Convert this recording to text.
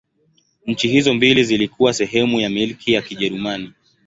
Nchi hizo mbili zilikuwa sehemu ya Milki ya Kijerumani.